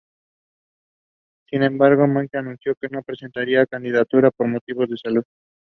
The branches also have sparse lenticels.